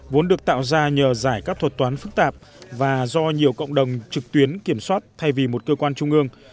vốn được tạo ra nhờ giải các thuật toán phức tạp và do nhiều cộng đồng trực tuyến kiểm soát thay vì một cơ quan trung ương